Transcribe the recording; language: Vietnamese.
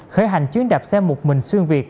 khởi hành chuyến đạp xe một mình xuyên việt